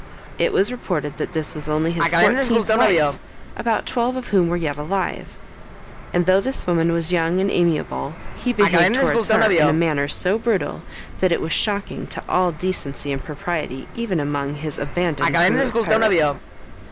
It was reported that this was only his fourteenth wife, about twelve of whom were yet alive; and though this woman was young and amiable, he behaved towards her in a manner so brutal, that it was shocking to all decency and propriety, even among his abandoned crew of pirates.